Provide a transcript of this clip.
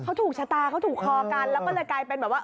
เขาถูกชะตาเขาถูกคอกันแล้วก็เลยกลายเป็นแบบว่า